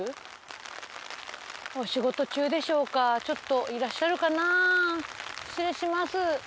お仕事中でしょうかちょっといらっしゃるかな？